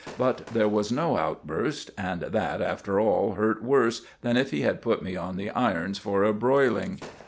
But there was no outburst, and that, after all, hurt worse than if he had put me on the irons for a broiling.